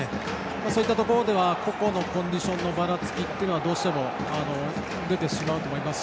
そういったところでは個々のコンディションのばらつきがどうしても出てしまうと思います。